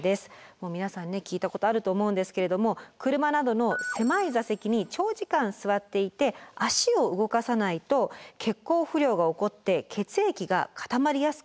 もう皆さんね聞いたことあると思うんですけれども車などの狭い座席に長時間座っていて足を動かさないと血行不良が起こって血液が固まりやすくなります。